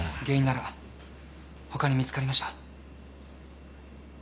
原因なら他に見つかりました。